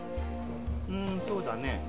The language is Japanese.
うーんそうだねえ。